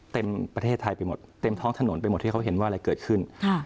เต็มประเทศไทยไปหมดเต็มท้องถนนไปหมดที่เขาเห็นว่าอะไรเกิดขึ้น